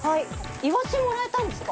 イワシもらえたんですか？